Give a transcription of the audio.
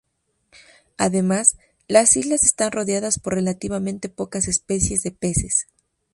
Además, las islas están rodeadas por relativamente pocas especies de peces.